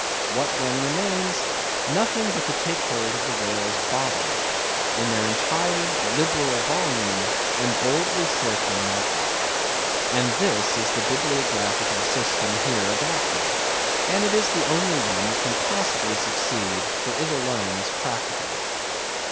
What then remains? nothing but to take hold of the whales bodily, in their entire liberal volume, and boldly sort them that way. And this is the Bibliographical system here adopted; and it is the only one that can possibly succeed, for it alone is practicable.